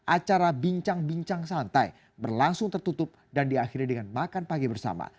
acara bincang bincang santai berlangsung tertutup dan diakhiri dengan makan pagi bersama